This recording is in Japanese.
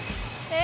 え。